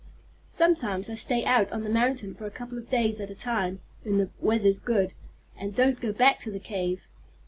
Sometimes I stay out on the mountain for a couple of days at a time, when the weather's good, and don't go back to the cave.